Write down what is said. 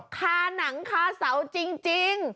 คาหนังคาเสาจริง